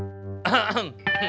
tidak ada yang mau menagihkan